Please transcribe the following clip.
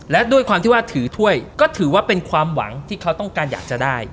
และด้วยความที่ว่าถือถ้วยก็ถือว่าเป็นความหวังที่เขาต้องการอยากจะได้